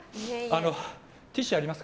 ティッシュありますか？